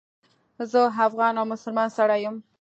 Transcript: زه افغان او مسلمان سړی یم.